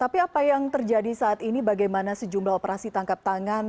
tapi apa yang terjadi saat ini bagaimana sejumlah operasi tangkap tangan